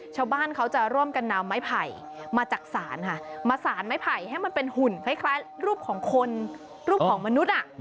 ชาวบ้านเขาจะร่วมกันนำไม้ไผ่มาจากศาลค่ะมาสารไม้ไผ่ให้มันเป็นหุ่นคล้ายรูปของคนรูปของมนุษย์